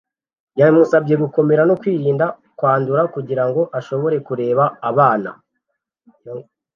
yamusabye gukomera no kwirinda kwandura kugirango ashobore kureba abana